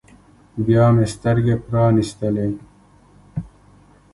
بيا مې سترګې پرانيستلې.